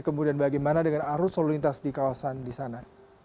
kemudian bagaimana dengan arus lalu lintas di kawasan di sana